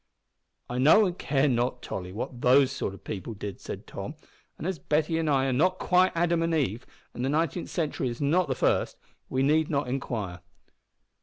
"I know and care not, Tolly, what those sort o' people did," said Tom; "and as Betty and I are not Adam and Eve, and the nineteenth century is not the first, we need not inquire."